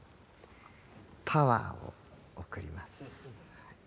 パワーを送ります。